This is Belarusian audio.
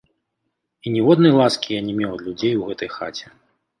І ніводнай ласкі я не меў ад людзей у гэтай хаце.